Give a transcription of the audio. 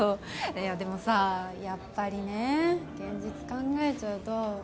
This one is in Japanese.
いやでもさやっぱりね現実考えちゃうと。